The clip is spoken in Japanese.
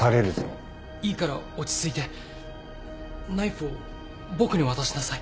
いいから落ち着いてナイフを僕に渡しなさい。